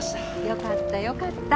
よかったよかった。